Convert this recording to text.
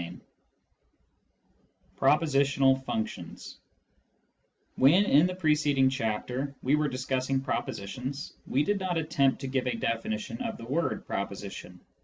CHAPTER XV PROPOSITIONAL FUNCTIONS When, in the preceding chapter, we were discussing propositions, we did not attempt to give a definition of the word " proposition."